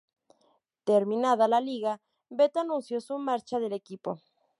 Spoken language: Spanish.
Terminada la liga, Beto anunció su marcha del equipo.